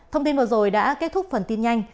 thông tin vừa rồi đã kết thúc phần tin nhanh